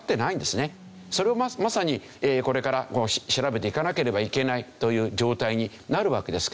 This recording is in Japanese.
それをまさにこれから調べていかなければいけないという状態になるわけですけど。